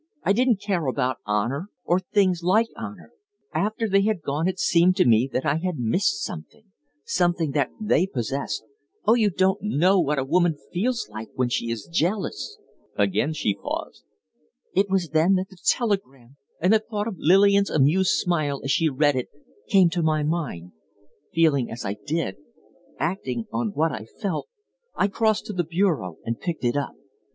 I didn't care about honor or things like honor. After they had gone it seemed to me that I had missed something something that they possessed. Oh, you don't know what a woman feels when she is jealous!" Again she paused. "It was then that the telegram, and the thought of Lillian's amused smile as she had read it, came to my mind. Feeling as I did acting on what I felt I crossed to the bureau and picked it up.